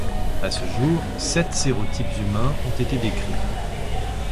À ce jour, sept sérotypes humains ont été décrits.